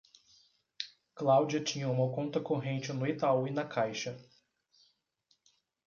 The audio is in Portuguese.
Cláudia tinha uma conta corrente no Itaú e na Caixa.